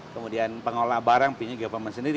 kemudian pengolah barang punya government sendiri